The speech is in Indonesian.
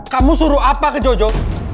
kamu suruh apa ke jojo